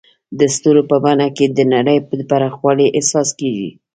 د ستورو په بڼه کې د نړۍ د پراخوالي احساس کېږي.